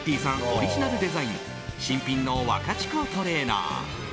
オリジナルデザイン新品のワカチコトレーナー。